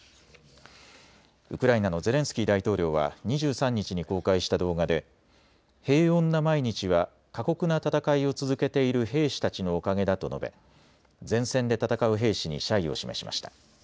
ウクライナのゼレンスキー大統領は２３日に公開した動画で平穏な毎日は過酷な戦いを続けている兵士たちのおかげだと述べ前線で戦う兵士に謝意を示しました。